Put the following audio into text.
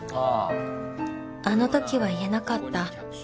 あぁあのときは言えなかった。